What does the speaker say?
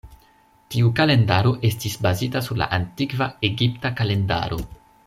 Tiu kalendaro estis bazita sur la antikva Egipta kalendaro.